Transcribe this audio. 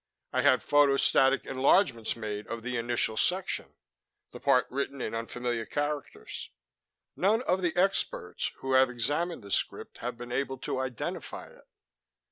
I had photostatic enlargements made of the initial section the part written in unfamiliar characters. None of the experts who have examined the script have been able to identify it.